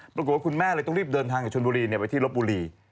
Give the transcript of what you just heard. ปรากฏว่าคุณแม่เลยต้องรีบเดินทางกับชนบุรีไปที่รบบุรี